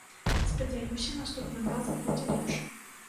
Спадзяюся наступным разам будзе лепш.